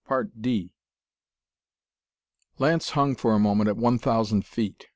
PART IV Lance hung for a moment at one thousand feet.